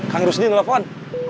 kang rusdi nelfon